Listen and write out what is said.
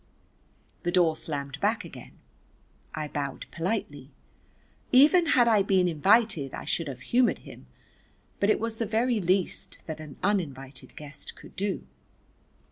The door slammed back again. I bowed politely. Even had I been invited I should have humoured him, but it was the very least that an uninvited guest could do.